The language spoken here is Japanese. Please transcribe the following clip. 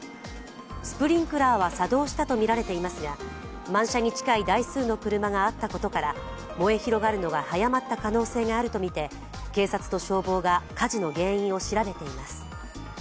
スプリンクラーは作動したとみられていますが満車に近い台数の車があったことから燃え広がるのが早まった可能性があるとみて警察と消防が火事の原因を調べています。